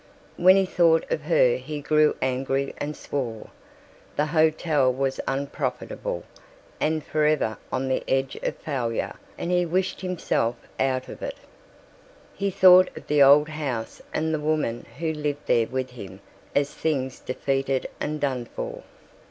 When he thought of her he grew angry and swore. The hotel was unprofitable and forever on the edge of failure and he wished himself out of it. He thought of the old house and the woman who lived there with him as things defeated and done for.